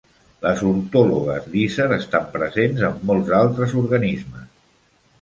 Les ortòlogues Dicer estan presents en molts altres organismes.